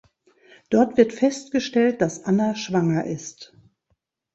Dort wird festgestellt, dass Anna schwanger ist.